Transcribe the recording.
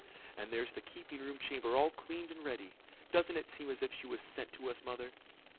And there's the keeping room chamber all cleaned and ready. Doesn't it seem as if she was sent to us, mother?"